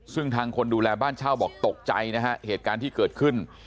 ซึ่งทางคนดูแลบ้านเช่าบอกตกใจนะฮะเหตุการณ์ที่เกิดขึ้น